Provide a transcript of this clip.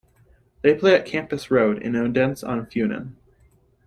They play at Campus Road, in Odense on Funen.